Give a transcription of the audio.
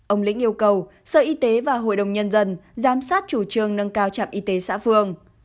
ông lĩnh yêu cầu sở y tế và hội đồng nhân dân giám sát chủ trương nâng cao trạm y tế xã phường